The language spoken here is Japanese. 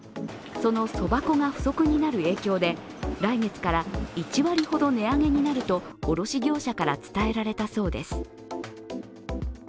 そのそば粉が不足になる影響で来月から、１割ほど値上げになると卸し業者から伝えられたそうです。